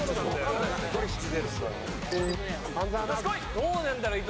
どうなんだろう？